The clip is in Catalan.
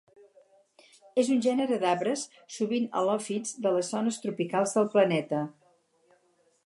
És un gènere d'arbres, sovint halòfits, de les zones tropicals del planeta.